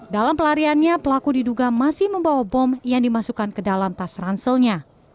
dalam pelariannya pelaku diduga masih membawa bom yang dimasukkan ke dalam tas ranselnya